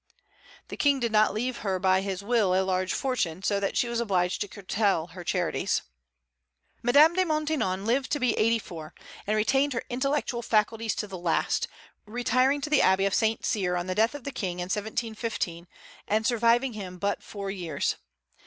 The King did not leave her by his will a large fortune, so that she was obliged to curtail her charities. Madame de Maintenon lived to be eighty four, and retained her intellectual faculties to the last, retiring to the Abbey of St. Cyr on the death of the King in 1715, and surviving him but four years.